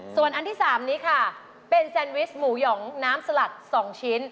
ส่วนอันที่๓นี้ค่ะเป็นแซนวิชหมูหยองน้ำสลัด๒ชิ้น